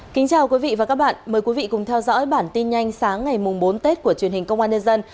chào mừng quý vị đến với bản tin nhanh sáng ngày bốn tết của truyền hình công an nhân dân